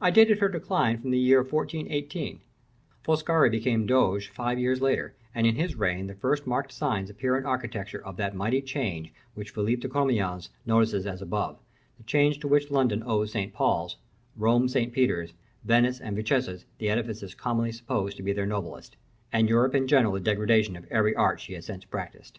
I dated her decline from the year 1418; Foscari became doge five years later, and in his reign the first marked signs appear in architecture of that mighty change which Philippe de Commynes notices as above, the change to which London owes St. Paul's, Rome St. Peter's, Venice and Vicenza the edifices commonly supposed to be their noblest, and Europe in general the degradation of every art she has since practised.